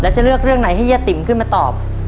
จะเลือกเรื่องไหนให้ย่าติ๋มขึ้นมาตอบ